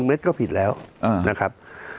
เมตรก็ผิดแล้วนะครับ